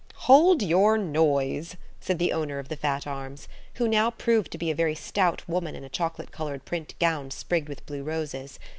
"Hold your noise," said the owner of the fat arms, who now proved to be a very stout woman in a chocolate coloured print gown sprigged with blue roses.